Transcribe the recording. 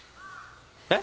えっ？